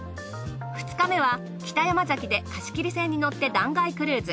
２日目は北山崎で貸し切り船に乗って断崖クルーズ。